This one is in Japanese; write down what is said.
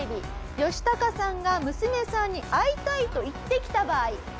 ヨシタカさんが娘さんに会いたいと言ってきた場合。